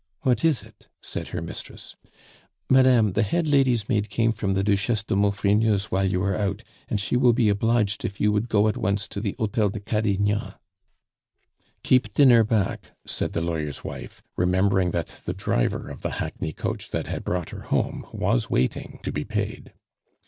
"What is it?" said her mistress. "Madame, the head lady's maid came from the Duchesse de Maufrigneuse while you were out, and she will be obliged if you would go at once to the Hotel de Cadignan." "Keep dinner back," said the lawyer's wife, remembering that the driver of the hackney coach that had brought her home was waiting to be paid.